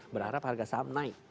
berharap harga saham naik